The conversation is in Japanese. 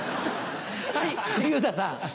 はい小遊三さん。